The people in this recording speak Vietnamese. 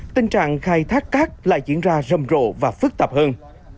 tình trạng khai thác cát lại diễn ra rầm rộ và phức tạp hơn